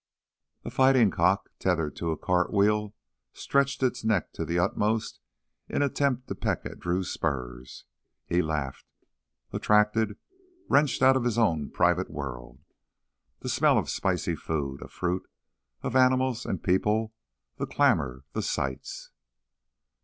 A fighting cock tethered to a cart wheel stretched its neck to the utmost in an attempt to peck at Drew's spurs. He laughed, attracted, wrenched out of his own private world. The smell of spicy foods, of fruit, of animals and people ... the clamor ... the sights....